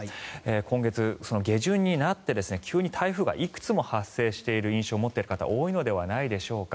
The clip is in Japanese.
今月下旬になって急に台風がいくつも発生している印象を持っている方多いのではないでしょうか。